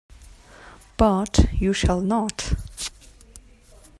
But you shall not!